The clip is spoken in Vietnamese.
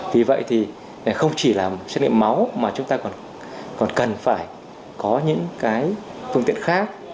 vì vậy thì không chỉ là xét nghiệm máu mà chúng ta còn cần phải có những phương tiện khác